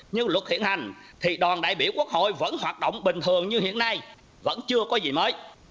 như luật hiện hành thì đoàn đại biểu quốc hội vẫn hoạt động bình thường như hiện nay vẫn chưa có gì mới